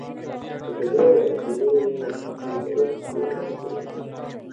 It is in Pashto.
که په ډېره لوړه بيه هم وي بايد پرې نه ښودل شي.